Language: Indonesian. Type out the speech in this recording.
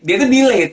dia itu delayed